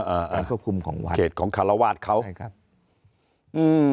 อันควบคุมของวัดเขตของคารวาสเขาใช่ครับอืม